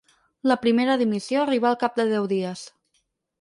La primera dimissió arribà al cap de deu dies.